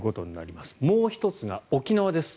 もう１つが沖縄です。